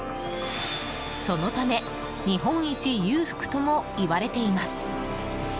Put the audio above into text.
そのため、日本一裕福ともいわれています。